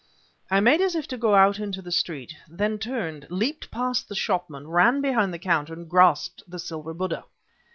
I made as if to go out into the street, then turned, leaped past the shopman, ran behind the counter, and grasped at the silver Buddha!